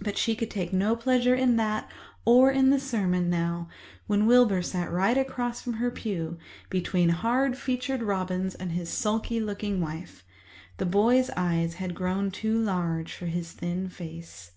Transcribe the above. But she could take no pleasure in that or in the sermon now, when Wilbur sat right across from her pew, between hard featured Robins and his sulky looking wife. The boy's eyes had grown too large for his thin face.